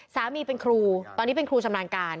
สามีเป็นครูตอนนี้เป็นครูชำนาญการ